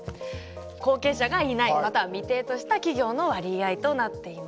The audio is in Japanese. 「後継者がいない」または「未定」とした企業の割合となっています。